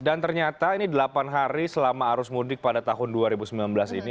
dan ternyata ini delapan hari selama arus mudik pada tahun dua ribu sembilan belas ini